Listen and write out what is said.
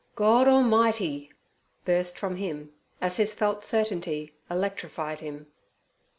'Gord A'mighty!' burst from him as his felt certainty electrified him.